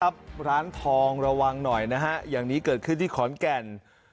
ร้านทองระวังหน่อยนะฮะอย่างนี้เกิดขึ้นที่ขอนแก่น